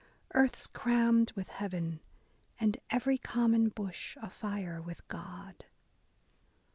Earth's crammed with Heaven, And every common bush afire with God."